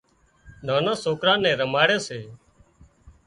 نانان سوڪران نين رماڙي سي